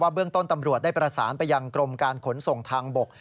เบื้องต้นตำรวจได้ประสานไปยังกรมการขนส่งทางบก